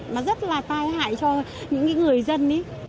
mà rất là tai hại cho những người dân